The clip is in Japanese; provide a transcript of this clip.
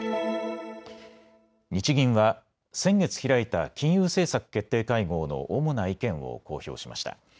日銀は先月開いた金融政策決定会合の主な意見を公表しました。